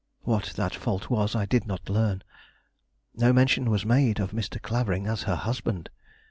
What that fault was, I did not learn. No mention was made of Mr. Clavering as her husband.